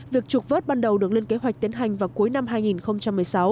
việc trục vớt ban đầu được lên kế hoạch tiến hành vào cuối năm hai nghìn một mươi sáu